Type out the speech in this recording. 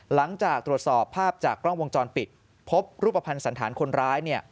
หลังจากตรวจสอบภาพจากกล้องวงจรปิดพบรูปภัณฑ์สันธารคนร้าย